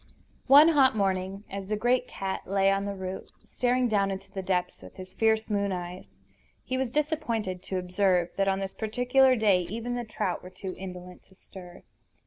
One hot morning as the great cat lay on the root, staring down into the depths with his fierce moon eyes, he was disappointed to observe that on this particular day even the trout were too indolent to stir.